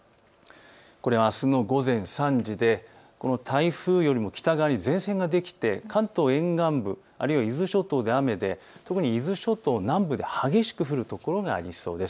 これはあすの午前３時で台風よりも北側に前線ができて関東沿岸部、あるいは伊豆諸島で雨で特に伊豆諸島南部で激しく降る所がありそうです。